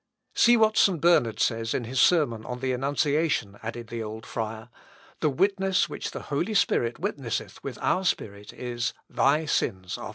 "See what St. Bernard says in his sermon on the annunciation," added the old friar; "the witness which the Holy Spirit witnesseth with our spirit is, 'Thy sins are forgiven thee.'"